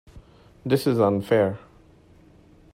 This is unfair.